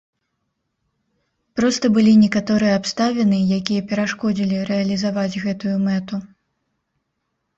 Проста былі некаторыя абставіны, якія перашкодзілі рэалізаваць гэтую мэту.